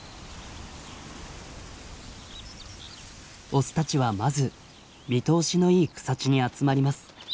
オスたちはまず見通しのいい草地に集まります。